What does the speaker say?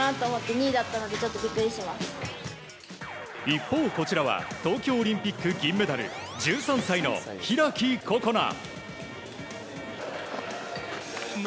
一方こちらは東京オリンピック銀メダル１３歳の開心那。